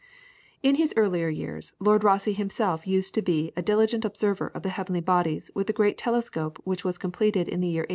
In his earlier years, Lord Rosse himself used to be a diligent observer of the heavenly bodies with the great telescope which was completed in the year 1845.